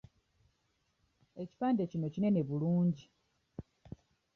Ekipande kino kinene bulungi.